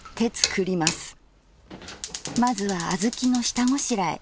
まずは小豆の下ごしらえ。